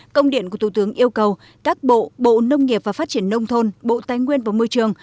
công điện của thủ tướng yêu cầu các bộ bộ nông nghiệp và phát triển nông thôn bộ tài nguyên và môi trường